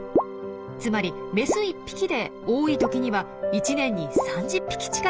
つまりメス１匹で多い時には１年に３０匹近く産みます。